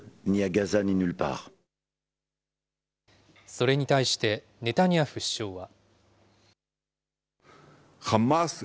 それに対して、ネタニヤフ首相は。